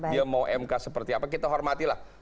dia mau mk seperti apa kita hormatilah